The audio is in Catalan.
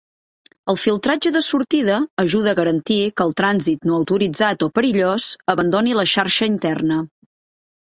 El filtratge de sortida ajuda a garantir que el trànsit no autoritzat o perillós abandoni la xarxa interna.